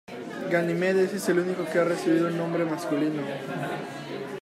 Ganimedes es el único que ha recibido un nombre masculino.